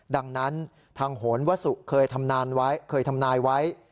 ดังนั้นทางหนวสุเคยทำนายไว้